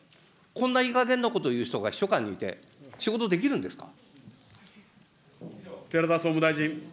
こんないい加減のことを言う人が秘書官にいて、仕事できるんですか。